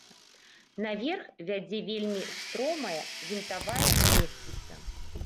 Наверх вядзе вельмі стромая вінтавая лесвіца.